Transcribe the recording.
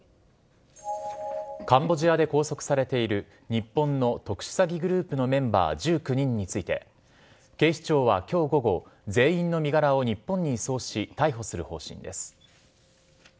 カンボジアで拘束されている日本の特殊詐欺グループのメンバー１９人について、警視庁はきょう午後、全員の身柄を日本に移送し、逮捕する方針です。